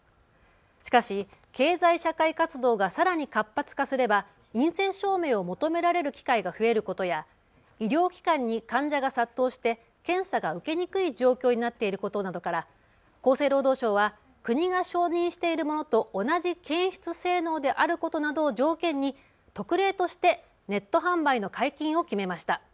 しかし経済社会活動がさらに活発化すれば陰性証明を求められる機会が増えることや医療機関に患者が殺到して検査が受けにくい状況になっていることなどから厚生労働省は国が承認しているものと同じ検出性能であることなどを条件に特例としてネット販売の解禁を決めました。